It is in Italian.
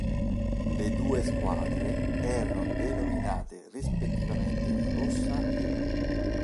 Le due squadre erano denominate rispettivamente "rossa" e "blu".